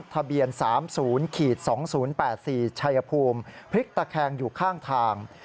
ทะเบียน๓๐๒๐๘๔ชัยภูมิพลิกตะแคงอยู่ข้างทาง